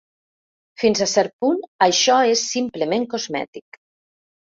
Fins a cert punt, això és simplement cosmètic.